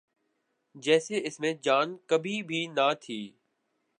جیسے اس میں جان کبھی بھی نہ تھی۔